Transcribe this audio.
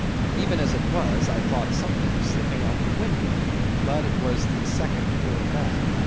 Even as it was, I thought something of slipping out of the window, but it was the second floor back.